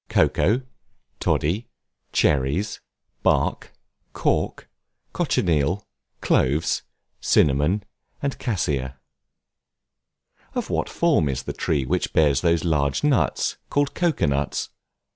COCOA, TODDY, CHERRIES, BARK, CORK, COCHINEAL, CLOVES, CINNAMON, AND CASSIA. Of what form is the tree which bears those large nuts, called Cocoa nuts?